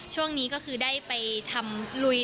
ช่วงนี้ก็คือได้ไปทำลุย